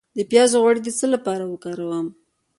د پیاز غوړي د څه لپاره وکاروم؟